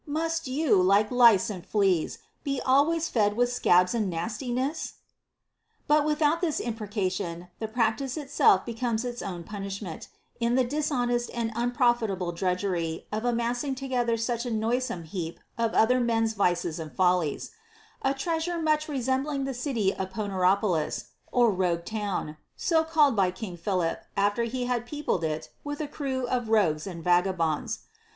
Must you, like lice and fleas, Be always fed with scabs and nastiness % But without this imprecation, the practice itself becomes its own punishment, in the dishonest and unprofitable drudgery of amassing together such a noisome heap of other men's vices and follies ; a treasure much resembling the city Poneropolis (or Rogue town), so called by King Philip after he had peopled it with a crew of rogues and vagabonds.